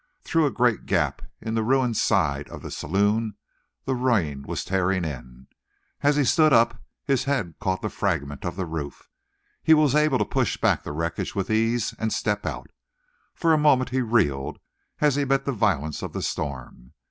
Through a great gap in the ruined side of the saloon the rain was tearing in. As he stood up, his head caught the fragments of the roof. He was able to push back the wreckage with ease and step out. For a moment he reeled, as he met the violence of the storm.